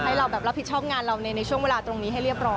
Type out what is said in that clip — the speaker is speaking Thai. ให้เราแบบรับผิดชอบงานเราในช่วงเวลาตรงนี้ให้เรียบร้อย